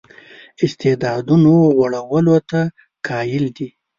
استعدادونو غوړولو ته قایل دی.